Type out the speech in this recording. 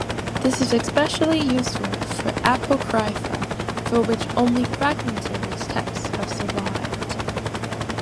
This is especially useful for apocrypha for which only fragmentary texts have survived.